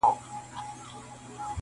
چېرته به د سوي میني زور وینو-